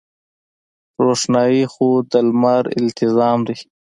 روښنايي خو د لمر التزام دی.